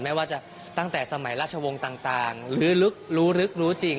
ไม่ว่าจะตั้งแต่สมัยราชวงศ์ต่างหรือลึกรู้ลึกรู้จริง